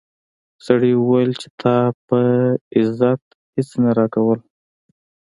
سړي وویل چې تا په عزت هیڅ نه راکول.